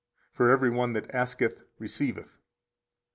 For every one that asketh receiveth.